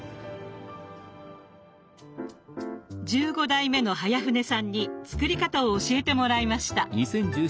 ⁉１５代目の早船さんに作り方を教えてもらいました。